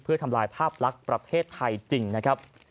เพื่อทำลายภาพลักษณ์ประเทศไทยจริงนะครับ